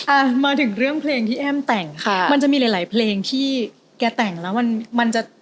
อ่ะมาถึงเรื่องเพลงที่แอ้มแต่งค่ะมันจะมีหลายหลายเพลงที่แกแต่งแล้วมันมันจะ